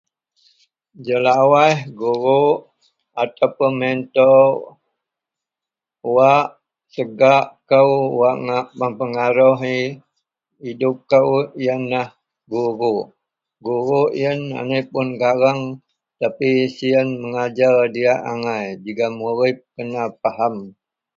Jelawaih guruk atau poun mentor wak segak kou wak ngak mempengaruhi hidup kou iyenlah guruk, guruk iyen aniek puon gareng tapi siyen mengajer diyak angai jegem murid semua pahem.